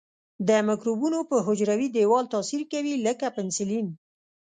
د مکروبونو په حجروي دیوال تاثیر کوي لکه پنسلین.